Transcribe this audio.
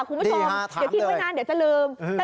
คุณผู้ชมดีฮะถามเลยเดี๋ยวทิ้งไว้นานเดี๋ยวจะลืมอืม